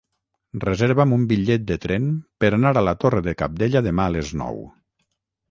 Reserva'm un bitllet de tren per anar a la Torre de Cabdella demà a les nou.